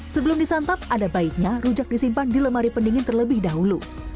sebelum disantap ada baiknya rujak disimpan di lemari pendingin terlebih dahulu